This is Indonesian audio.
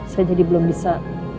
saya jadi belum bisa